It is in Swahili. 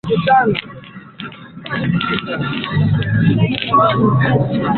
Kuja twende kwake.